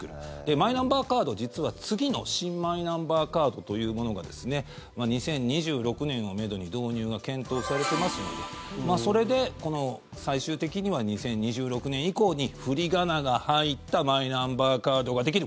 マイナンバーカード、実は次の新マイナンバーカードというものが２０２６年をめどに導入が検討されてますのでそれで、最終的には２０２６年以降に振り仮名が入ったマイナンバーカードができる。